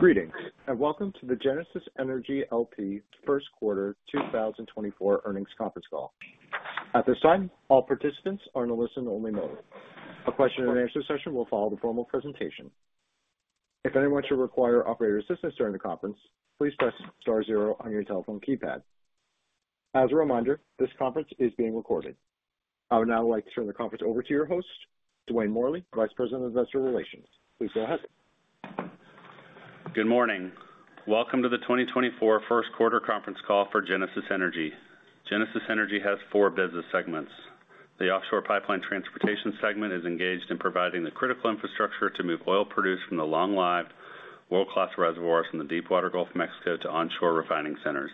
Greetings, and welcome to the Genesis Energy, L.P. first quarter 2024 earnings conference call. At this time, all participants are in a listen only mode. A question and answer session will follow the formal presentation. If anyone should require operator assistance during the conference, please press star zero on your telephone keypad. As a reminder, this conference is being recorded. I would now like to turn the conference over to your host, Dwayne Morley, Vice President of Investor Relations. Please go ahead. Good morning. Welcome to the 2024 first quarter conference call for Genesis Energy. Genesis Energy has four business segments. The offshore pipeline transportation segment is engaged in providing the critical infrastructure to move oil produced from the long-lived world-class reservoirs from the deepwater Gulf of Mexico to onshore refining centers.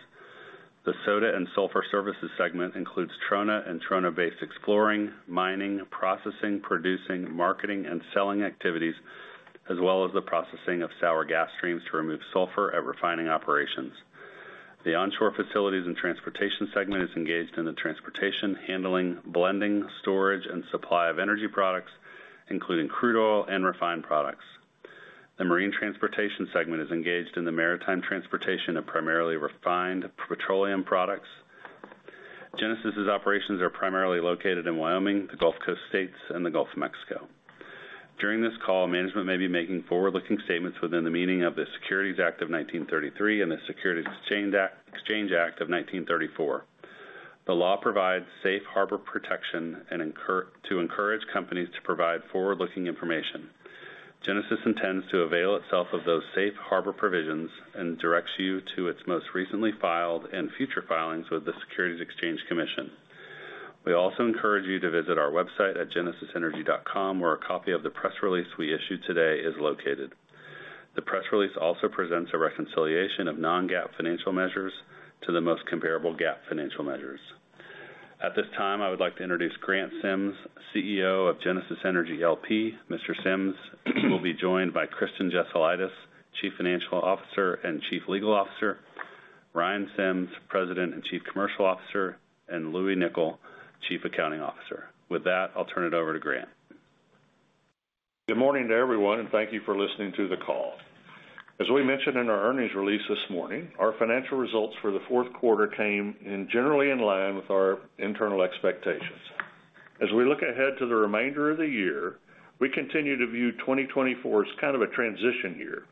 The soda and sulfur services segment includes trona and trona-based exploring, mining, processing, producing, marketing, and selling activities, as well as the processing of sour gas streams to remove sulfur at refining operations. The onshore facilities and transportation segment is engaged in the transportation, handling, blending, storage, and supply of energy products, including crude oil and refined products. The marine transportation segment is engaged in the maritime transportation of primarily refined petroleum products. Genesis's operations are primarily located in Wyoming, the Gulf Coast states, and the Gulf of Mexico. During this call, management may be making forward-looking statements within the meaning of the Securities Act of 1933 and the Securities Exchange Act of 1934. The law provides safe harbor protection and encourage companies to provide forward-looking information. Genesis intends to avail itself of those safe harbor provisions and directs you to its most recently filed and future filings with the Securities Exchange Commission. We also encourage you to visit our website at genesisenergy.com, where a copy of the press release we issued today is located. The press release also presents a reconciliation of non-GAAP financial measures to the most comparable GAAP financial measures. At this time, I would like to introduce Grant Sims, CEO of Genesis Energy LP. Mr. Sims will be joined by Kristen Jesulaitis, Chief Financial Officer and Chief Legal Officer, Ryan Sims, President and Chief Commercial Officer, and Louie Nicol, Chief Accounting Officer. With that, I'll turn it over to Grant. Good morning to everyone, and thank you for listening to the call. As we mentioned in our earnings release this morning, our financial results for the fourth quarter came in generally in line with our internal expectations. As we look ahead to the remainder of the year, we continue to view 2024 as kind of a transition year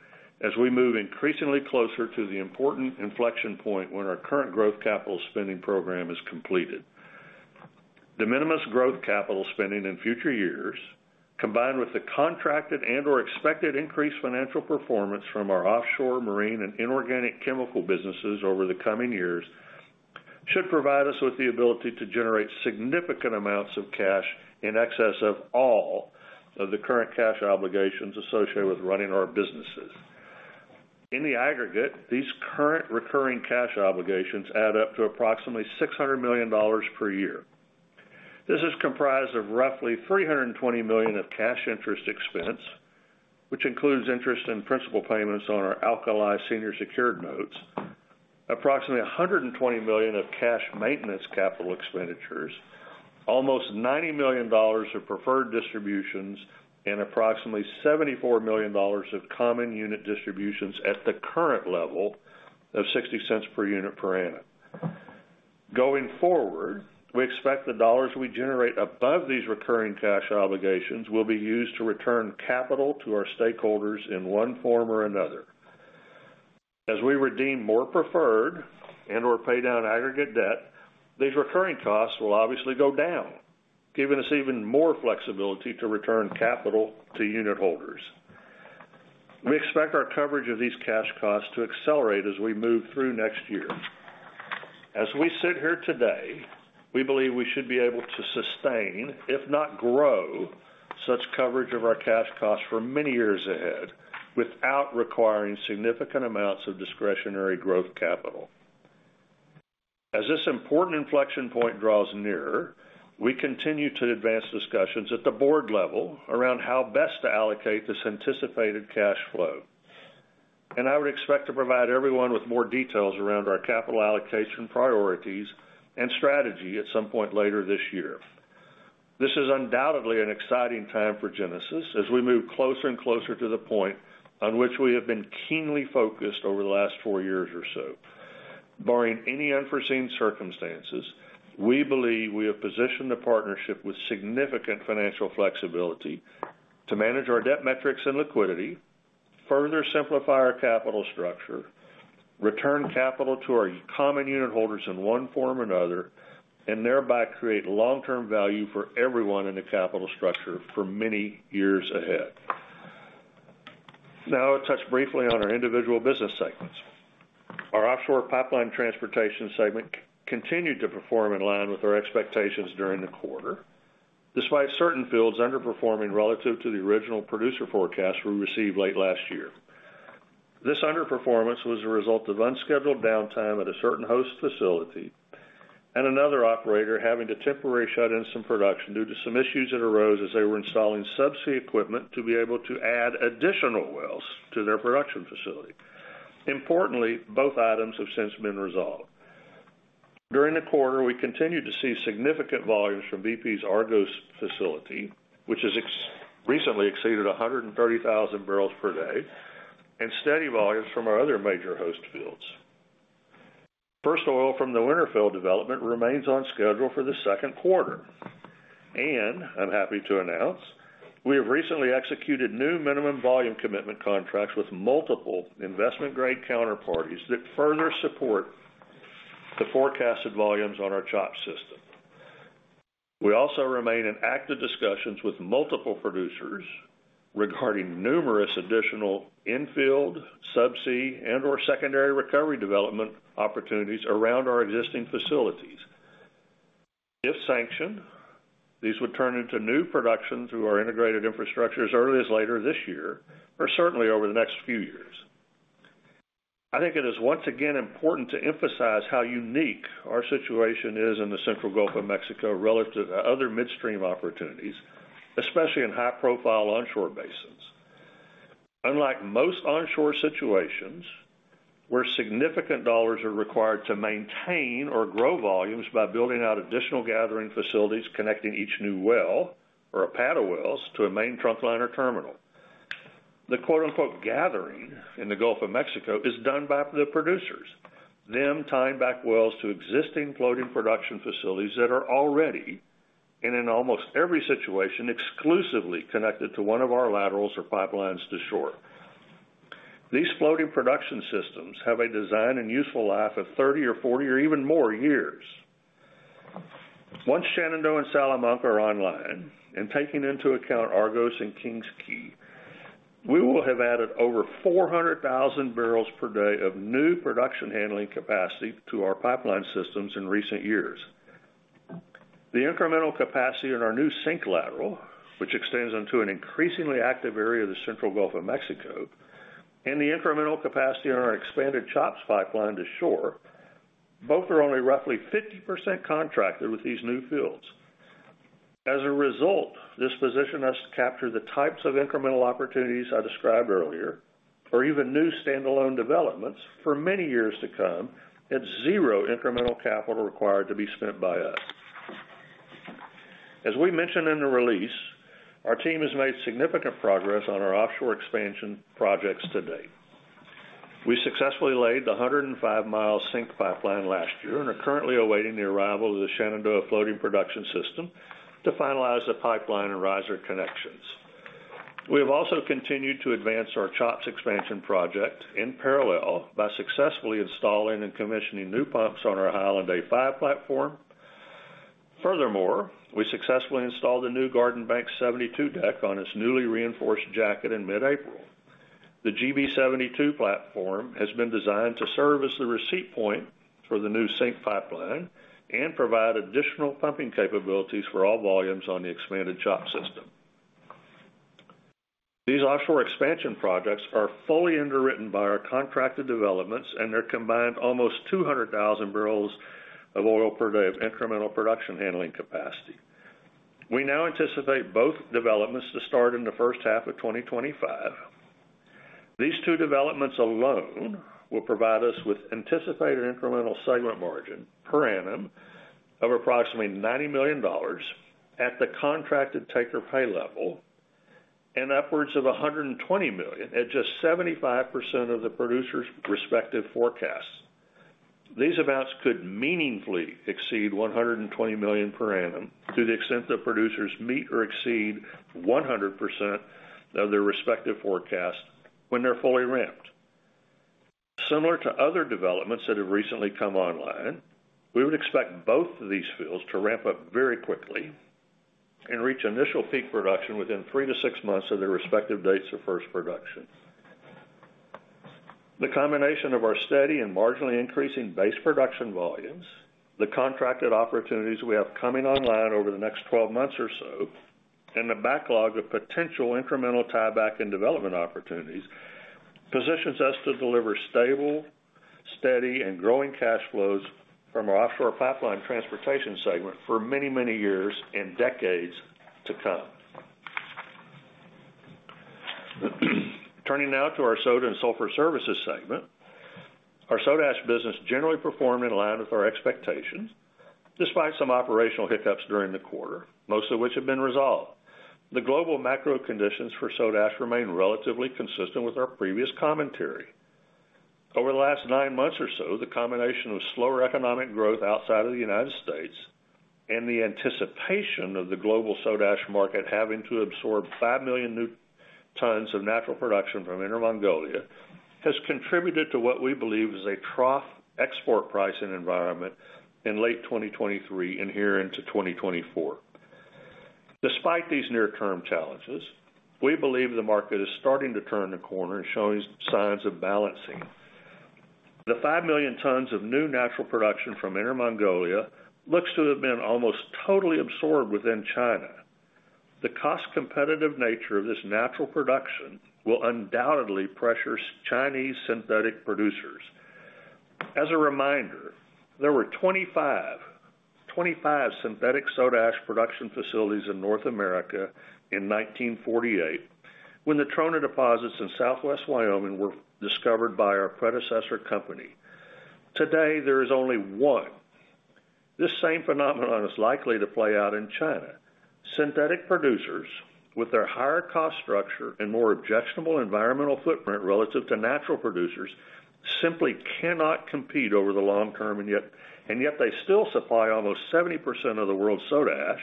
as we move increasingly closer to the important inflection point when our current growth capital spending program is completed. De minimis growth capital spending in future years, combined with the contracted and, or expected increased financial performance from our offshore, marine, and inorganic chemical businesses over the coming years, should provide us with the ability to generate significant amounts of cash in excess of all of the current cash obligations associated with running our businesses. In the aggregate, these current recurring cash obligations add up to approximately $600 million per year. This is comprised of roughly $320 million of cash interest expense, which includes interest and principal payments on our Alkali senior secured notes, approximately $120 million of cash maintenance capital expenditures, almost $90 million of preferred distributions, and approximately $74 million of common unit distributions at the current level of 60 cents per unit per annum. Going forward, we expect the dollars we generate above these recurring cash obligations will be used to return capital to our stakeholders in one form or another. As we redeem more preferred and/or pay down aggregate debt, these recurring costs will obviously go down, giving us even more flexibility to return capital to unitholders. We expect our coverage of these cash costs to accelerate as we move through next year. As we sit here today, we believe we should be able to sustain, if not grow, such coverage of our cash costs for many years ahead without requiring significant amounts of discretionary growth capital. As this important inflection point draws nearer, we continue to advance discussions at the board level around how best to allocate this anticipated cash flow, and I would expect to provide everyone with more details around our capital allocation priorities and strategy at some point later this year. This is undoubtedly an exciting time for Genesis as we move closer and closer to the point on which we have been keenly focused over the last four years or so. Barring any unforeseen circumstances, we believe we have positioned the partnership with significant financial flexibility to manage our debt metrics and liquidity, further simplify our capital structure, return capital to our common unitholders in one form or another, and thereby create long-term value for everyone in the capital structure for many years ahead. Now I'll touch briefly on our individual business segments. Our offshore pipeline transportation segment continued to perform in line with our expectations during the quarter, despite certain fields underperforming relative to the original producer forecast we received late last year. This underperformance was a result of unscheduled downtime at a certain host facility and another operator having to temporarily shut in some production due to some issues that arose as they were installing subsea equipment to be able to add additional wells to their production facility. Importantly, both items have since been resolved. During the quarter, we continued to see significant volumes from BP's Argos facility, which has recently exceeded 130,000 barrels per day, and steady volumes from our other major host fields. First Oil from the Winterfell development remains on schedule for the second quarter. I'm happy to announce, we have recently executed new minimum volume commitment contracts with multiple investment-grade counterparties that further support the forecasted volumes on our CHOPS system. We also remain in active discussions with multiple producers regarding numerous additional in-field, sub-sea, and/or secondary recovery development opportunities around our existing facilities. If sanctioned, these would turn into new production through our integrated infrastructure as early as later this year, or certainly over the next few years. I think it is once again important to emphasize how unique our situation is in the central Gulf of Mexico relative to other midstream opportunities, especially in high-profile onshore basins. Unlike most onshore situations, where significant dollars are required to maintain or grow volumes by building out additional gathering facilities connecting each new well or a pad of wells to a main trunk line or terminal, the quote, unquote, "gathering" in the Gulf of Mexico is done by the producers, them tying back wells to existing floating production facilities that are already, and in almost every situation, exclusively connected to one of our laterals or pipelines to shore. These floating production systems have a design and useful life of 30 or 40 or even more years. Once Shenandoah and Salamanca are online, and taking into account Argos and King's Quay, we will have added over 400,000 barrels per day of new production handling capacity to our pipeline systems in recent years. The incremental capacity in our new SYNC lateral, which extends into an increasingly active area of the central Gulf of Mexico, and the incremental capacity in our expanded CHOPS pipeline to shore, both are only roughly 50% contracted with these new fields. As a result, this positions us to capture the types of incremental opportunities I described earlier, or even new standalone developments for many years to come, at zero incremental capital required to be spent by us. As we mentioned in the release, our team has made significant progress on our offshore expansion projects to date. We successfully laid the 105-mile SYNC pipeline last year, and are currently awaiting the arrival of the Shenandoah floating production system to finalize the pipeline and riser connections. We have also continued to advance our CHOPS expansion project in parallel by successfully installing and commissioning new pumps on our High Island A5 platform. Furthermore, we successfully installed a new Garden Banks 72 deck on its newly reinforced jacket in mid-April. The GB 72 platform has been designed to serve as the receipt point for the new SYNC pipeline and provide additional pumping capabilities for all volumes on the expanded CHOPS system. These offshore expansion projects are fully underwritten by our contracted developments and their combined almost 200,000 barrels of oil per day of incremental production handling capacity. We now anticipate both developments to start in the first half of 2025. These two developments alone will provide us with anticipated incremental segment margin per annum of approximately $90 million at the contracted take-or-pay level, and upwards of $120 million at just 75% of the producer's respective forecasts. These amounts could meaningfully exceed $120 million per annum to the extent that producers meet or exceed 100% of their respective forecasts when they're fully ramped. Similar to other developments that have recently come online, we would expect both of these fields to ramp up very quickly and reach initial peak production within 3-6 months of their respective dates of first production. The combination of our steady and marginally increasing base production volumes, the contracted opportunities we have coming online over the next 12 months or so, and the backlog of potential incremental tieback and development opportunities, positions us to deliver stable, steady, and growing cash flows from our Offshore Pipeline Transportation segment for many, many years and decades to come. Turning now to our Soda and Sulfur Services segment. Our soda ash business generally performed in line with our expectations, despite some operational hiccups during the quarter, most of which have been resolved. The global macro conditions for soda ash remain relatively consistent with our previous commentary. Over the last nine months or so, the combination of slower economic growth outside of the United States and the anticipation of the global soda ash market having to absorb 5 million tons of new natural production from Inner Mongolia has contributed to what we believe is a trough export pricing environment in late 2023 and here into 2024. Despite these near-term challenges, we believe the market is starting to turn the corner and showing signs of balancing. The 5 million tons of new natural production from Inner Mongolia looks to have been almost totally absorbed within China. The cost-competitive nature of this natural production will undoubtedly pressure Chinese synthetic producers. As a reminder, there were 25 synthetic soda ash production facilities in North America in 1948, when the trona deposits in Southwest Wyoming were discovered by our predecessor company. Today, there is only one. This same phenomenon is likely to play out in China. Synthetic producers, with their higher cost structure and more objectionable environmental footprint relative to natural producers, simply cannot compete over the long term, and yet, and yet they still supply almost 70% of the world's soda ash,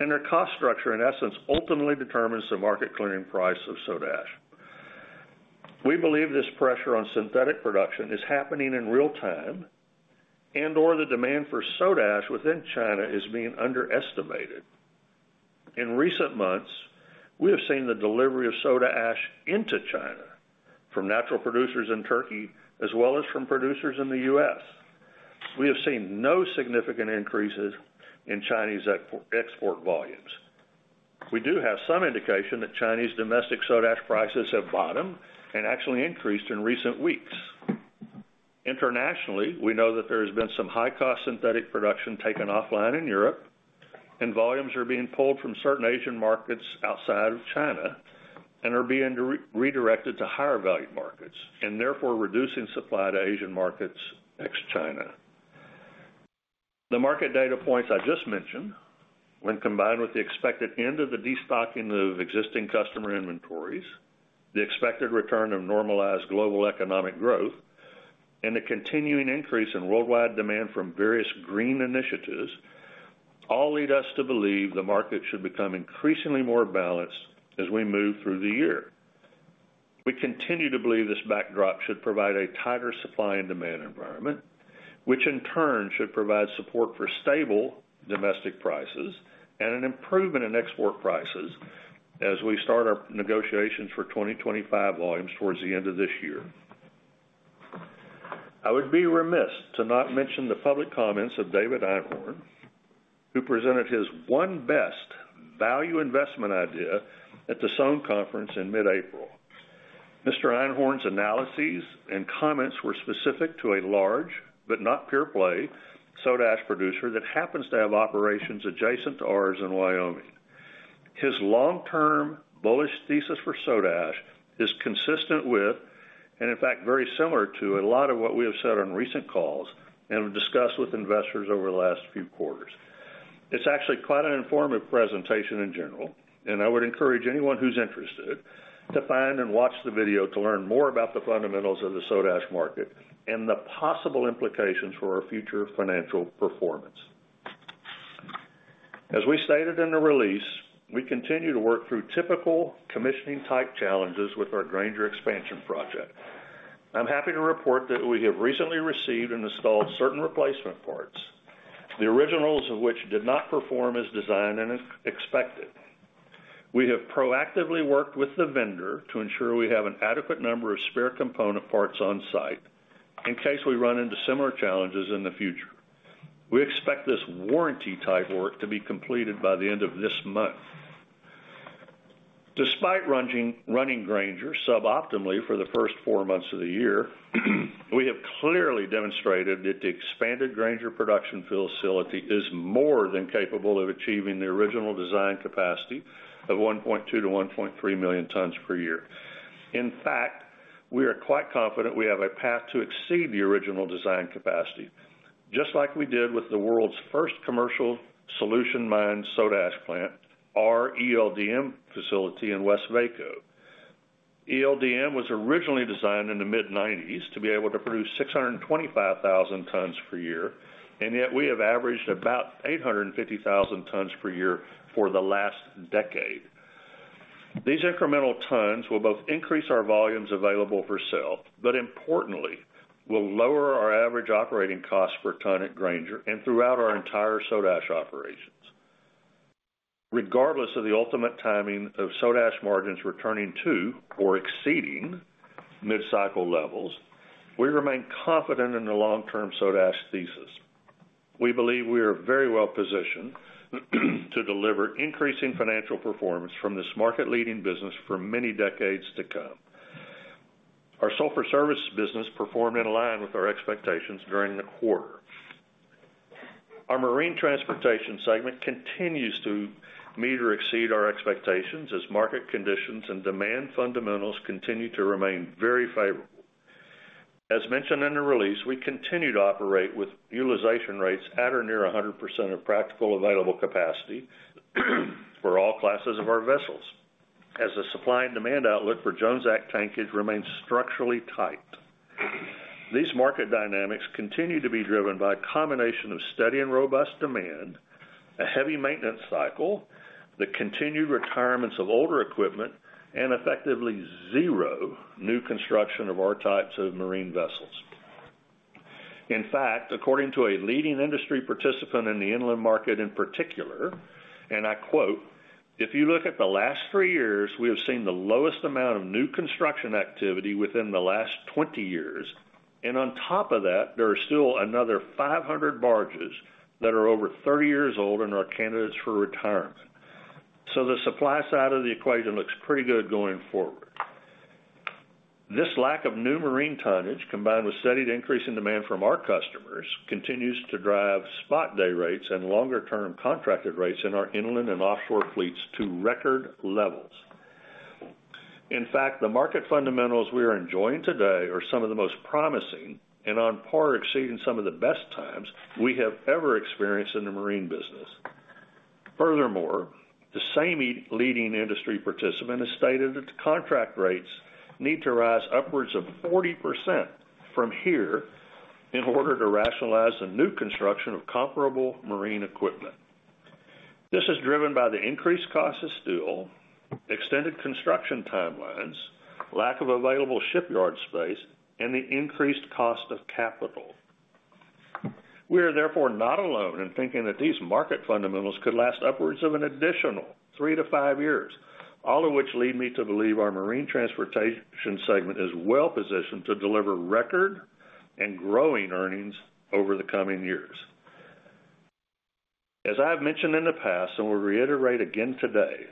and their cost structure, in essence, ultimately determines the market clearing price of soda ash. We believe this pressure on synthetic production is happening in real time, and or the demand for soda ash within China is being underestimated. In recent months, we have seen the delivery of soda ash into China from natural producers in Turkey, as well as from producers in the U.S. We have seen no significant increases in Chinese export volumes. We do have some indication that Chinese domestic soda ash prices have bottomed and actually increased in recent weeks. Internationally, we know that there has been some high-cost synthetic production taken offline in Europe, and volumes are being pulled from certain Asian markets outside of China and are being redirected to higher value markets, and therefore, reducing supply to Asian markets, ex-China. The market data points I just mentioned, when combined with the expected end of the destocking of existing customer inventories, the expected return of normalized global economic growth, and the continuing increase in worldwide demand from various green initiatives, all lead us to believe the market should become increasingly more balanced as we move through the year. We continue to believe this backdrop should provide a tighter supply and demand environment, which in turn, should provide support for stable domestic prices and an improvement in export prices as we start our negotiations for 2025 volumes towards the end of this year. I would be remiss to not mention the public comments of David Einhorn, who presented his one best value investment idea at the Sohn Conference in mid-April. Mr. Einhorn's analyses and comments were specific to a large, but not pure play, soda ash producer that happens to have operations adjacent to ours in Wyoming. His long-term bullish thesis for soda ash is consistent with, and in fact, very similar to a lot of what we have said on recent calls and have discussed with investors over the last few quarters. It's actually quite an informative presentation in general, and I would encourage anyone who's interested to find and watch the video to learn more about the fundamentals of the soda ash market and the possible implications for our future financial performance. As we stated in the release, we continue to work through typical commissioning-type challenges with our Granger expansion project. I'm happy to report that we have recently received and installed certain replacement parts, the originals of which did not perform as designed and expected. We have proactively worked with the vendor to ensure we have an adequate number of spare component parts on site in case we run into similar challenges in the future. We expect this warranty type work to be completed by the end of this month. Despite running Granger suboptimally for the first four months of the year, we have clearly demonstrated that the expanded Granger production facility is more than capable of achieving the original design capacity of 1.2-1.3 million tons per year. In fact, we are quite confident we have a path to exceed the original design capacity, just like we did with the world's first commercial solution mined soda ash plant, our ELDM facility in Westvaco. ELDM was originally designed in the mid-1990s to be able to produce 625,000 tons per year, and yet we have averaged about 850,000 tons per year for the last decade. These incremental tons will both increase our volumes available for sale, but importantly, will lower our average operating cost per ton at Granger and throughout our entire soda ash operations. Regardless of the ultimate timing of soda ash margins returning to or exceeding mid-cycle levels, we remain confident in the long-term soda ash thesis. We believe we are very well positioned to deliver increasing financial performance from this market-leading business for many decades to come. Our sulfur services business performed in line with our expectations during the quarter. Our marine transportation segment continues to meet or exceed our expectations as market conditions and demand fundamentals continue to remain very favorable. As mentioned in the release, we continue to operate with utilization rates at or near 100% of practical available capacity for all classes of our vessels, as the supply and demand outlook for Jones Act tankage remains structurally tight. These market dynamics continue to be driven by a combination of steady and robust demand, a heavy maintenance cycle, the continued retirements of older equipment, and effectively zero new construction of our types of marine vessels. In fact, according to a leading industry participant in the inland market in particular, and I quote, "If you look at the last 3 years, we have seen the lowest amount of new construction activity within the last 20 years, and on top of that, there are still another 500 barges that are over 30 years old and are candidates for retirement." So the supply side of the equation looks pretty good going forward.... This lack of new marine tonnage, combined with steady increase in demand from our customers, continues to drive spot day rates and longer-term contracted rates in our inland and offshore fleets to record levels. In fact, the market fundamentals we are enjoying today are some of the most promising and on par exceeding some of the best times we have ever experienced in the marine business. Furthermore, the same leading industry participant has stated that the contract rates need to rise upwards of 40% from here in order to rationalize the new construction of comparable marine equipment. This is driven by the increased cost of steel, extended construction timelines, lack of available shipyard space, and the increased cost of capital. We are therefore not alone in thinking that these market fundamentals could last upwards of an additional 3-5 years, all of which lead me to believe our marine transportation segment is well positioned to deliver record and growing earnings over the coming years. As I have mentioned in the past, and will reiterate again today,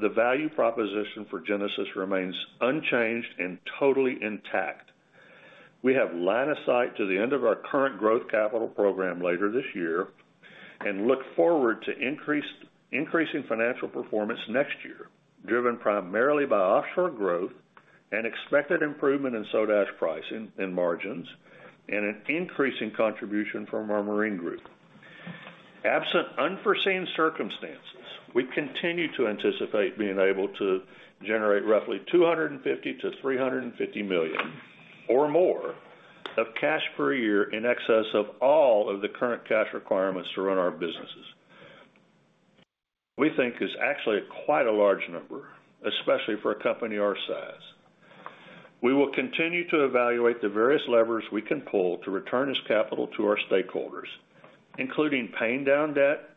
the value proposition for Genesis remains unchanged and totally intact. We have line of sight to the end of our current growth capital program later this year, and look forward to increasing financial performance next year, driven primarily by offshore growth and expected improvement in soda ash pricing and margins, and an increase in contribution from our marine group. Absent unforeseen circumstances, we continue to anticipate being able to generate roughly $250 million-$350 million or more of cash per year in excess of all of the current cash requirements to run our businesses. We think is actually quite a large number, especially for a company our size. We will continue to evaluate the various levers we can pull to return this capital to our stakeholders, including paying down debt,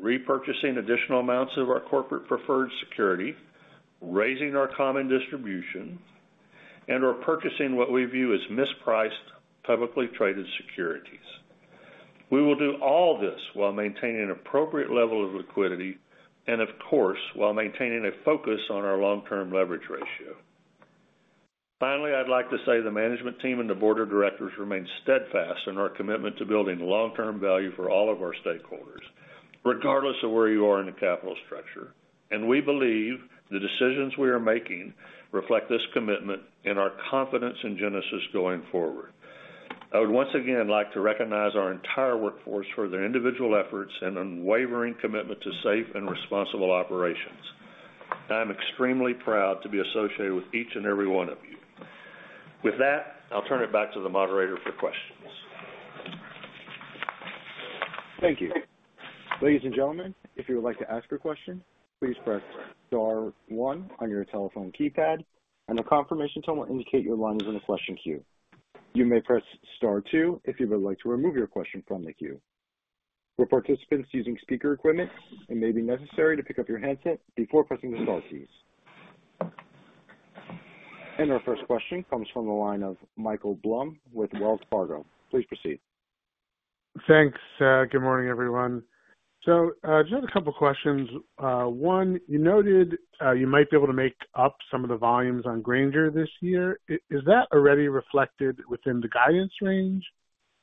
repurchasing additional amounts of our corporate preferred security, raising our common distribution, and/or purchasing what we view as mispriced, publicly traded securities. We will do all this while maintaining an appropriate level of liquidity and, of course, while maintaining a focus on our long-term leverage ratio. Finally, I'd like to say the management team and the board of directors remain steadfast in our commitment to building long-term value for all of our stakeholders, regardless of where you are in the capital structure. We believe the decisions we are making reflect this commitment and our confidence in Genesis going forward. I would once again like to recognize our entire workforce for their individual efforts and unwavering commitment to safe and responsible operations. I'm extremely proud to be associated with each and every one of you. With that, I'll turn it back to the moderator for questions. Thank you. Ladies and gentlemen, if you would like to ask your question, please press star one on your telephone keypad, and a confirmation tone will indicate your line is in the question queue. You may press star two if you would like to remove your question from the queue. For participants using speaker equipment, it may be necessary to pick up your handset before pressing the star keys. Our first question comes from the line of Michael Blum with Wells Fargo. Please proceed. Thanks, good morning, everyone. Just have a couple of questions. One, you noted, you might be able to make up some of the volumes on Granger this year. Is that already reflected within the guidance range?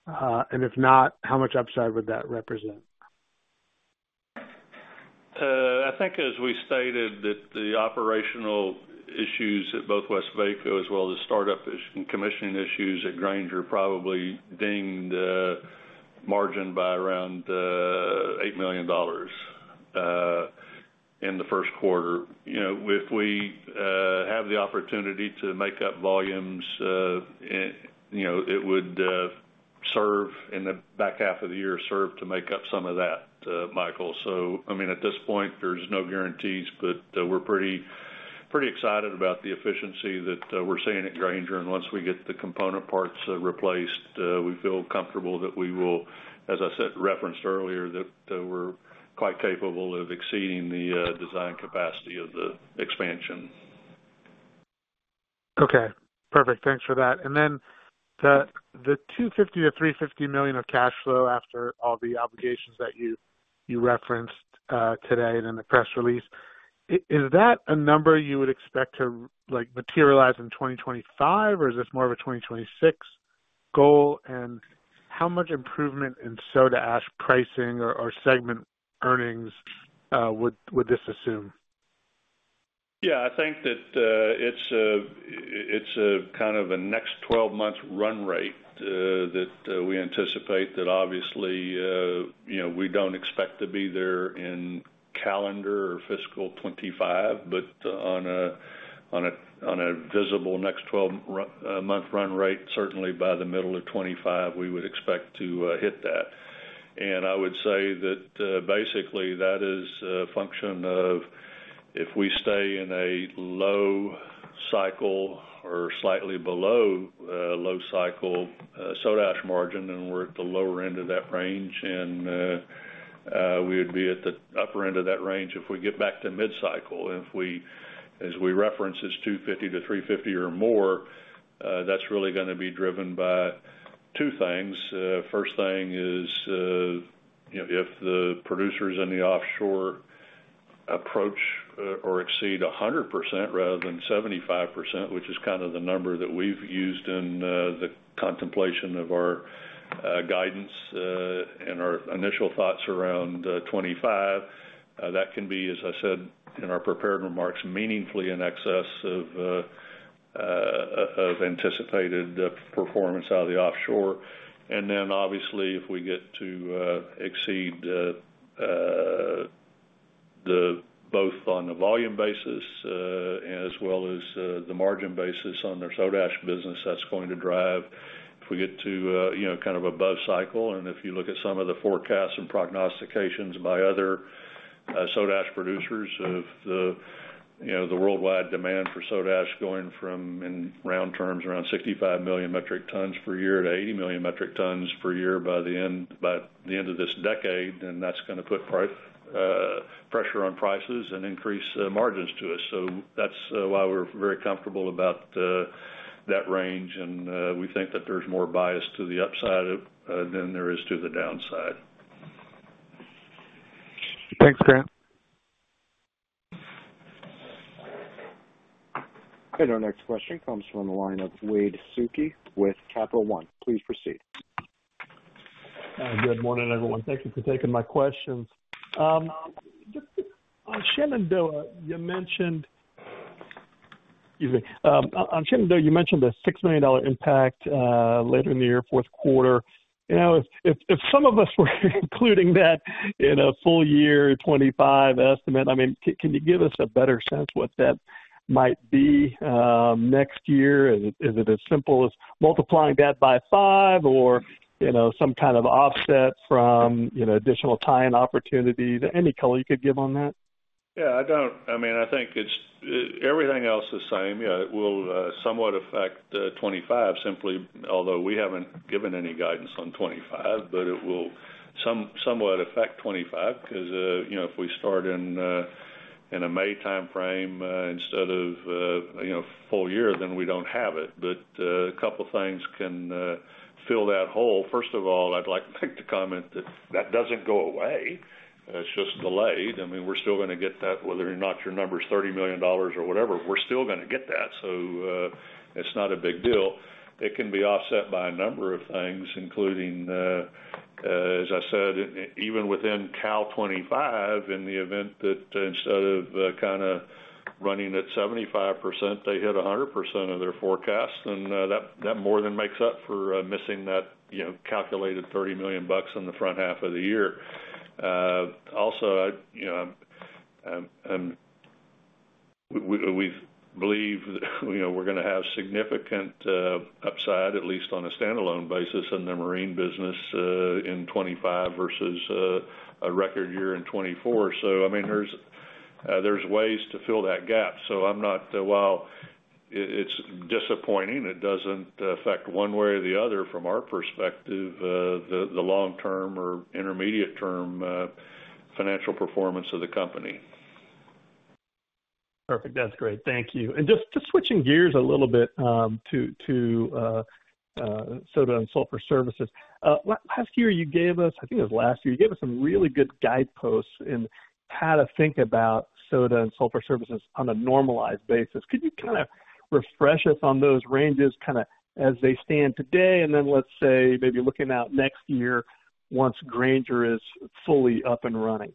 And if not, how much upside would that represent? I think as we stated that the operational issues at both Westvaco as well as the startup and commissioning issues at Granger probably dinged margin by around $8 million in the first quarter. You know, if we have the opportunity to make up volumes, it would serve in the back half of the year to make up some of that, Michael. So, I mean, at this point, there's no guarantees, but we're pretty, pretty excited about the efficiency that we're seeing at Granger. And once we get the component parts replaced, we feel comfortable that we will, as I said, referenced earlier, that we're quite capable of exceeding the design capacity of the expansion. Okay, perfect. Thanks for that. And then the $250 million-$350 million of cash flow after all the obligations that you referenced today in the press release, is that a number you would expect to, like, materialize in 2025, or is this more of a 2026 goal? And how much improvement in soda ash pricing or segment earnings would this assume? Yeah, I think that, it's a kind of a next twelve months run rate, that we anticipate that obviously, you know, we don't expect to be there in calendar or fiscal 2025, but on a visible next twelve month run rate, certainly by the middle of 2025, we would expect to hit that. And I would say that, basically, that is a function of if we stay in a low cycle or slightly below low cycle soda ash margin, then we're at the lower end of that range, and we would be at the upper end of that range if we get back to mid-cycle. If, as we reference, it's $250-$350 or more, that's really gonna be driven by two things. First thing is, you know, if the producers in the offshore approach or exceed 100% rather than 75%, which is kind of the number that we've used in the contemplation of our guidance and our initial thoughts around 2025. That can be, as I said in our prepared remarks, meaningfully in excess of anticipated performance out of the offshore. And then obviously, if we get to exceed both on a volume basis as well as the margin basis on their soda ash business, that's going to drive. If we get to, you know, kind of above cycle, and if you look at some of the forecasts and prognostications by other soda ash producers of the, you know, the worldwide demand for soda ash going from, in round terms, around 65 million metric tons per year to 80 million metric tons per year by the end, by the end of this decade, then that's gonna put price pressure on prices and increase margins to us. So that's why we're very comfortable about that range, and we think that there's more bias to the upside than there is to the downside. Thanks, Grant. Our next question comes from the line of Wade Suki with Capital One. Please proceed. Good morning, everyone. Thank you for taking my questions. Just on Shenandoah, you mentioned... Excuse me. On Shenandoah, you mentioned a $6 million impact later in the year, fourth quarter. You know, if some of us were including that in a full year 2025 estimate, I mean, can you give us a better sense what that might be next year? Is it as simple as multiplying that by five or, you know, some kind of offset from, you know, additional tie-in opportunities? Any color you could give on that? Yeah, I don't... I mean, I think it's everything else the same, yeah, it will somewhat affect 2025 simply, although we haven't given any guidance on 2025, but it will somewhat affect 2025 because, you know, if we start in a May timeframe instead of, you know, full year, then we don't have it. But a couple things can fill that hole. First of all, I'd like to make the comment that that doesn't go away, it's just delayed. I mean, we're still gonna get that, whether or not your number is $30 million or whatever, we're still gonna get that. So it's not a big deal. It can be offset by a number of things, including, as I said, even within 1Q 25, in the event that instead of kinda running at 75%, they hit 100% of their forecast, then that more than makes up for missing that, you know, calculated $30 million in the front half of the year. Also, I, you know, we believe that, you know, we're gonna have significant upside, at least on a standalone basis, in the marine business, in 2025 versus a record year in 2024. So I mean, there's ways to fill that gap. So I'm not, while it's disappointing, it doesn't affect one way or the other from our perspective, the long-term or intermediate-term financial performance of the company. Perfect. That's great. Thank you. Just switching gears a little bit to soda and sulfur services. Last year, you gave us, I think it was last year, you gave us some really good guideposts in how to think about soda and sulfur services on a normalized basis. Could you kind of refresh us on those ranges, kind of, as they stand today, and then, let's say, maybe looking out next year once Granger is fully up and running?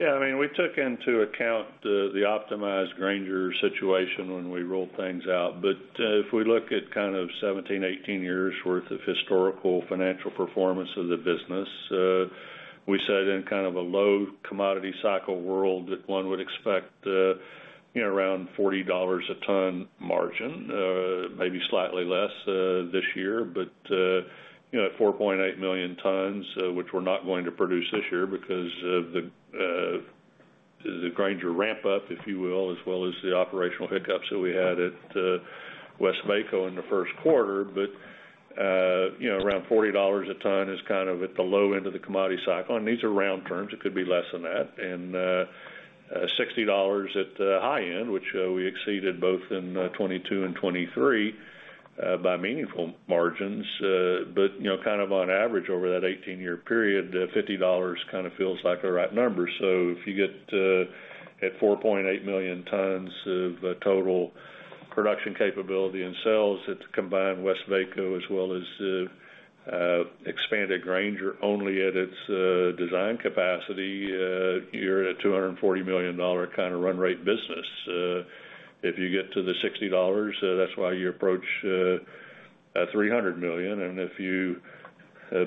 Yeah, I mean, we took into account the optimized Granger situation when we rolled things out. But, if we look at kind of 17, 18 years' worth of historical financial performance of the business, we said in kind of a low commodity cycle world that one would expect, you know, around $40 a ton margin, maybe slightly less, this year, but, you know, at 4.8 million tons, which we're not going to produce this year because of the Granger ramp up, if you will, as well as the operational hiccups that we had at Westvaco in the first quarter. But, you know, around $40 a ton is kind of at the low end of the commodity cycle, and these are round terms. It could be less than that. And sixty dollars at the high end, which we exceeded both in 2022 and 2023 by meaningful margins. But, you know, kind of on average over that 18-year period, fifty dollars kind of feels like the right number. So if you get at 4.8 million tons of total production capability in sales, it's combined Westvaco as well as expanded Granger, only at its design capacity, you're at $240 million kind of run rate business. If you get to the sixty dollars, that's why you approach three hundred million. If you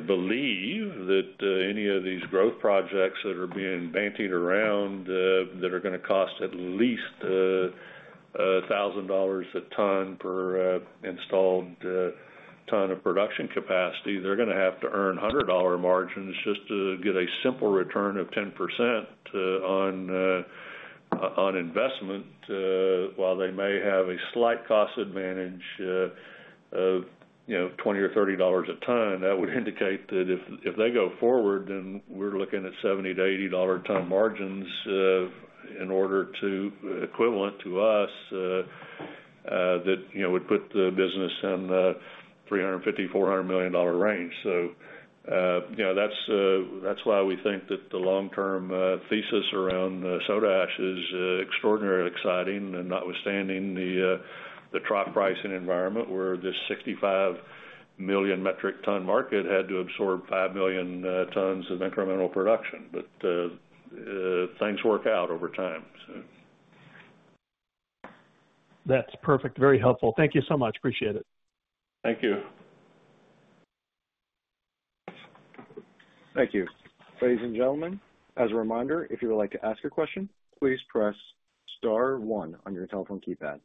believe that any of these growth projects that are being bandied around that are gonna cost at least $1,000 a ton per installed ton of production capacity, they're gonna have to earn $100 margins just to get a simple return of 10% on investment. While they may have a slight cost advantage of, you know, $20 or $30 a ton, that would indicate that if they go forward, then we're looking at $70-$80 ton margins in order to equivalent to us, that, you know, would put the business in the $350-$400 million range. So, you know, that's why we think that the long-term thesis around soda ash is extraordinarily exciting, and notwithstanding the trough pricing environment, where this 65 million metric ton market had to absorb 5 million tons of incremental production. But things work out over time, so. That's perfect. Very helpful. Thank you so much. Appreciate it. Thank you. Thank you. Ladies and gentlemen, as a reminder, if you would like to ask a question, please press star one on your telephone keypad.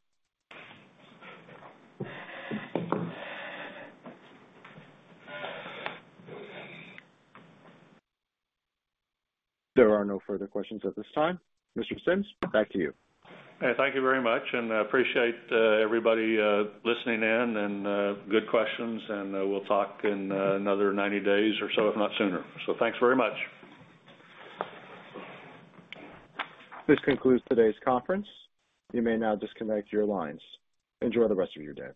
There are no further questions at this time. Mr. Sims, back to you. Thank you very much, and I appreciate everybody listening in, and good questions, and we'll talk in another 90 days or so, if not sooner. So thanks very much. This concludes today's conference. You may now disconnect your lines. Enjoy the rest of your day.